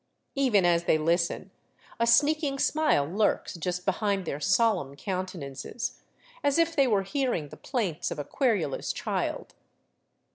Even as they listen, a sneaking smile lurks just behind their solemn countenances, as if they were hearing the plaints of a querulous child.